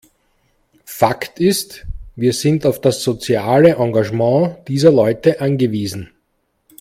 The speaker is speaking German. Fakt ist, wir sind auf das soziale Engagement dieser Leute angewiesen.